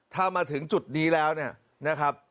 ถ้ามาถึงจุดนี้แล้วเนี่ย